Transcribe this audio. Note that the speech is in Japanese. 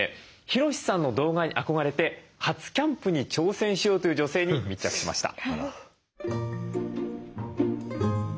ヒロシさんの動画に憧れて初キャンプに挑戦しようという女性に密着しました。